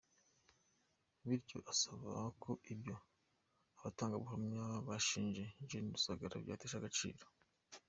Bityo asaba ko ibyo abatangabuhamya bashinje Ge Rusagara byateshwa agaciro.